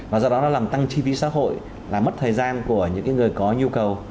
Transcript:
và do đó nó làm tăng chi phí xã hội là mất thời gian của những người có nhu cầu